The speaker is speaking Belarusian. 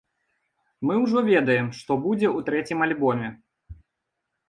Мы ўжо ведаем, што будзе ў трэцім альбоме.